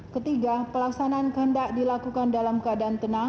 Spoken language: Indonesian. ketiga pelaksanaan kehendak dilakukan dalam keadaan tenang